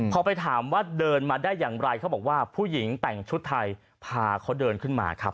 พอไปถามว่าเดินมาได้อย่างไรเขาบอกว่าผู้หญิงแต่งชุดไทยพาเขาเดินขึ้นมาครับ